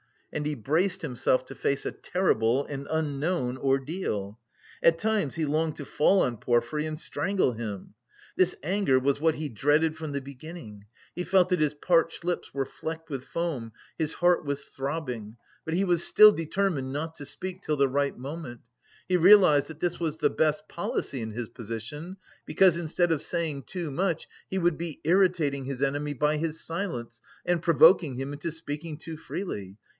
And he braced himself to face a terrible and unknown ordeal. At times he longed to fall on Porfiry and strangle him. This anger was what he dreaded from the beginning. He felt that his parched lips were flecked with foam, his heart was throbbing. But he was still determined not to speak till the right moment. He realised that this was the best policy in his position, because instead of saying too much he would be irritating his enemy by his silence and provoking him into speaking too freely.